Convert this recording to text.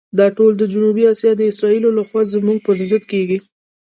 دا ټول د جنوبي آسیا د اسرائیلو لخوا زموږ پر ضد کېږي.